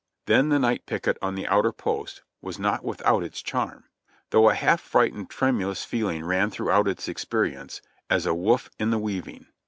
Then the night picket on the outer post was not without its charm, though a half frightened tremulous feeling ran throughout its experience, as a woof in the weaving.